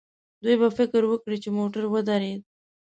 دوی به فکر وکړي چې موټر ودرېد.